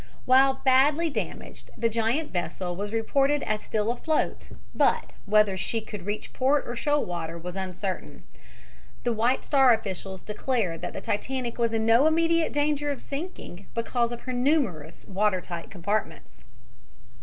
While badly damaged, the giant vessel was reported as still afloat, but whether she could reach port or shoal water was uncertain. The White Star officials declared that the Titanic was in no immediate danger of sinking, because of her numerous water tight compartments.